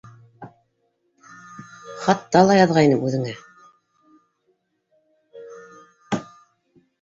Хатта ла яҙғайным үҙеңә.